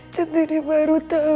centini baru tau